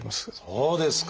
そうですか！